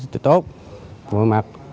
tự tốt mọi mặt